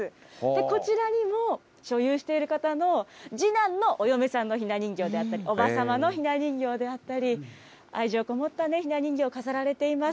こちらにも、所有している方の次男のお嫁さんのひな人形であったり、おばさまのひな人形であったり、愛情込もったね、ひな人形、飾られています。